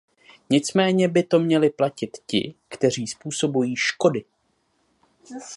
Nicméně by to měli platit ti, kteří způsobují škody.